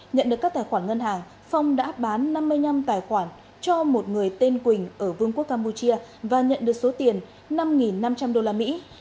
nhận được các tài khoản ngân hàng phong đã bán năm mươi năm tài khoản cho một người tên quỳnh ở vương quốc campuchia và nhận được số tiền năm năm trăm linh đô la mỹ